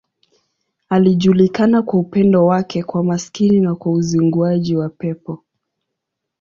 Alijulikana kwa upendo wake kwa maskini na kwa uzinguaji wa pepo.